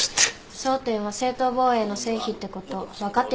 争点は正当防衛の成否ってこと分かってないんじゃない？